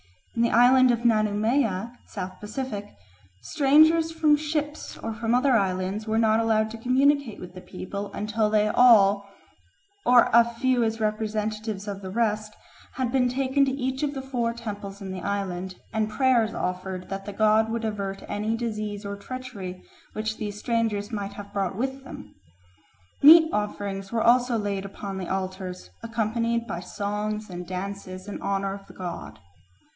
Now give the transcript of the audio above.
In the island of Nanumea (South Pacific) strangers from ships or from other islands were not allowed to communicate with the people until they all, or a few as representatives of the rest, had been taken to each of the four temples in the island, and prayers offered that the god would avert any disease or treachery which these strangers might have brought with them. Meat offerings were also laid upon the altars, accompanied by songs and dances in honour of the god.